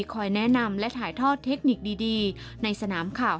คอยแนะนำและถ่ายทอดเทคนิคดีในสนามข่าว